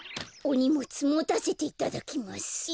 おにもつもたせていただきます。